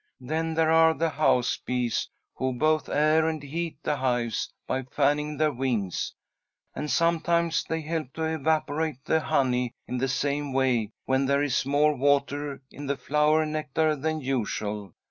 Then there are the house bees, who both air and heat the hives by fanning their wings, and sometimes they help to evaporate the honey in the same way, when there is more water in the flower nectar than usual.